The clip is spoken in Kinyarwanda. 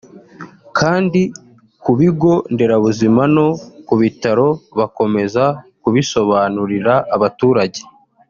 kandi ku bigo nderabuzima no ku bitaro bakomeza kubisobanurira abaturage